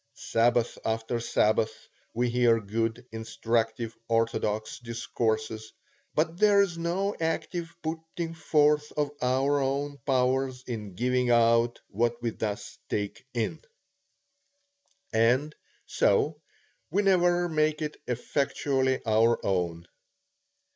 Sabbath after Sabbath we hear good, instructive, orthodox discourses, but there is no active putting forth of our own powers in giving out what we thus take in, and so we never make it effectually our own.